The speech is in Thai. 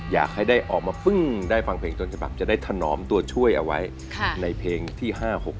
อยากให้ได้ออกมาฟึ้งด้วยฟังเพลงจนจะบรรค์จะได้ทอนอมตัวช่วยเอาไว้ในเพลงที่๕๖๗